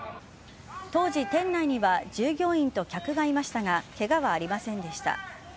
当時店内には従業員と客がいましたがけがはありませんでした。